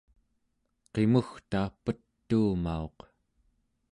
qimugta petuumauq